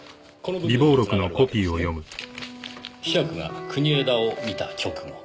子爵が国枝を見た直後。